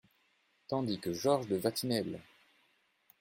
Tandis que Georges de Vatinelle !…